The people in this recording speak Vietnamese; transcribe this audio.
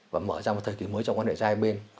và mở ra một thời kỳ mới trong quan hệ giai bên